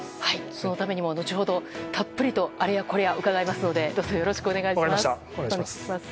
そのためにも後ほどたっぷりとあれこれ伺いますのでどうぞよろしくお願いします。